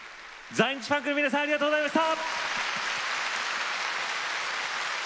在日ファンクの皆さんありがとうございました！